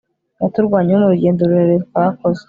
yaturwanyeho mu rugendo rurerure twakoze